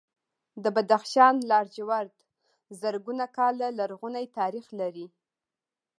د بدخشان لاجورد زرګونه کاله لرغونی تاریخ لري.